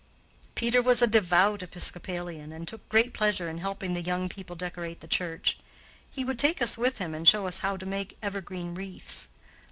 Peter was a devout Episcopalian and took great pleasure in helping the young people decorate the church. He would take us with him and show us how to make evergreen wreaths.